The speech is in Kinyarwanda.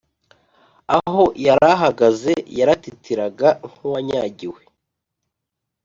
aho yarahagaze yaratitiraga nkuwanyagiwe.